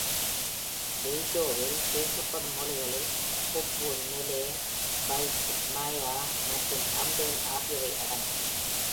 Waigeo-வில் பேசப்படும் மொழிகளில் Papuan Malay, Biak, Ma'ya மற்றும் Ambel ஆகியவை அடங்கும்.